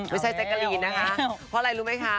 ไม่ใช่เจ็กกะลีนนะคะเพราะอะไรรู้ไหมคะ